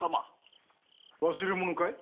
忘れ物かい？